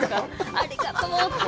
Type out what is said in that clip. ありがとう！って。